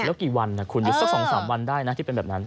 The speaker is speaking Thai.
แล้วกี่วันคุณอยู่สัก๒๓วันได้นะที่เป็นแบบนั้น